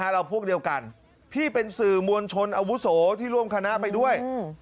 เราพวกเดียวกันพี่เป็นสื่อมวลชนอาวุโสที่ร่วมคณะไปด้วย